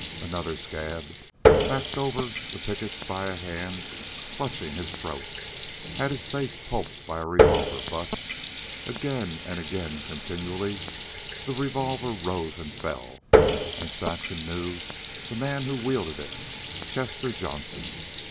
Another scab, backed over the pickets by a hand clutching his throat, had his face pulped by a revolver butt. Again and again, continually, the revolver rose and fell, and Saxon knew the man who wielded it Chester Johnson.